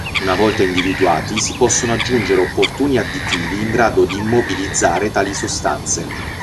Una volta individuati, si possono aggiungere opportuni additivi in grado di immobilizzare tali sostanze.